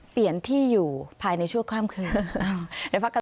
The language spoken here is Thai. เปลี่ยนที่อยู่ภายในชั่วข้ามคืน